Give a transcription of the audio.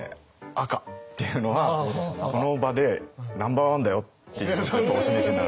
赤っていうのはこの場でナンバーワンだよっていうのをお示しになられてるんですよ。